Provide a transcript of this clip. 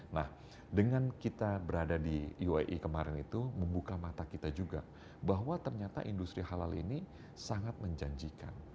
nah dengan kita berada di uae kemarin itu membuka mata kita juga bahwa ternyata industri halal ini sangat menjanjikan